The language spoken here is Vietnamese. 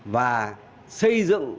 và xây dựng